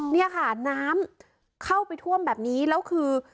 เนี่ยค่ะน้ำเข้าไปท่วมแบบนี้แล้วคือ